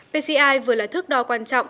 pci vừa là thước đo quan trọng